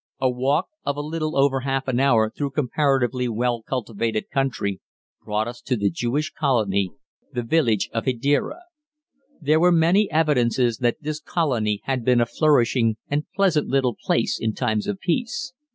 A walk of a little over half an hour, through comparatively well cultivated country, brought us to the Jewish colony, the village of Hedéra. There were many evidences that this colony had been a flourishing and pleasant little place in times of peace.